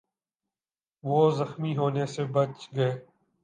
وہ زخمی ہونے سے بچ گئے